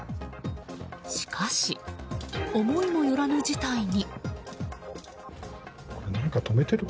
しかし、思いもよらぬ事態に。